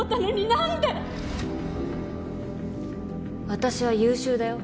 私は優秀だよ。